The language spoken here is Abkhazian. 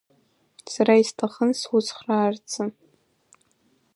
Сара исҭахын суцхраарцы.